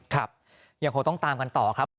ครับยังคงต้องตามกันต่อครับ